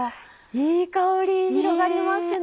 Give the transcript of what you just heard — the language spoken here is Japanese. いい香り広がりますね！